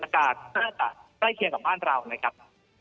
อากาศได้ขึ้นกับบ้านเรานะครับ